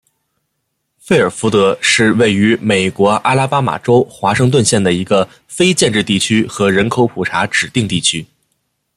费尔福德是位于美国阿拉巴马州华盛顿县的一个非建制地区和人口普查指定地区。